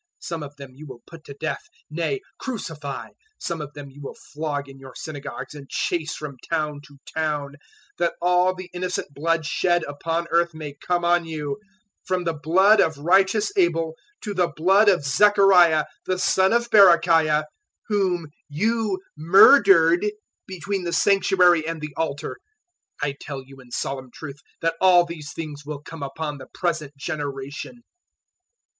Some of them you will put to death nay, crucify; some of them you will flog in your synagogues and chase from town to town; 023:035 that all the innocent blood shed upon earth may come on you, from the blood of righteous Abel to the blood of Zechariah the son of Berechiah whom you murdered between the Sanctuary and the altar. 023:036 I tell you in solemn truth that all these things will come upon the present generation.